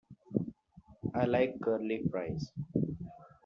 I like curly fries.